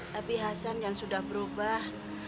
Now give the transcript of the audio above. tapi hasan yang sudah berubah